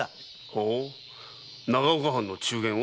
ほお長岡藩の中間を？